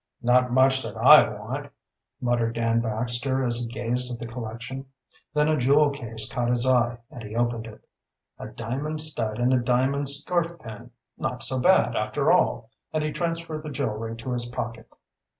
"Not much that I want," muttered Dan Baxter, as he gazed at the collection. Then a jewel case caught his eye and he opened it. "A diamond stud and a diamond scarf pin! Not so bad, after all!" And he transferred the jewelry to his pocket.